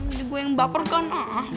ini gue yang baperkan ah